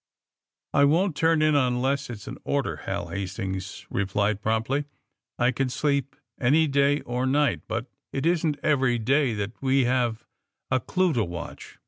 *^I won't turn in unless it's an order," Hal Hastings replied promptly. *^I can sleep any day or night, but it isn't every day that we have a clue to watch."